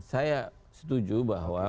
saya setuju bahwa